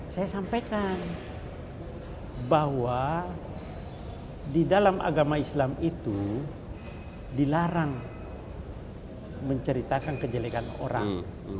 saya sampaikan bahwa di dalam agama islam itu dilarang menceritakan kejelekan orang